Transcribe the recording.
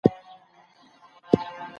څه یې خیال څه عاطفه سي، څه معنا په قافییو کي